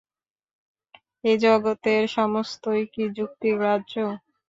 এ জগতের সমস্তই কি যুক্তিগ্রাহ্য?